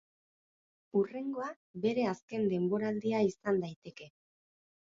Hurrengoa bere azken denboraldia izan daiteke.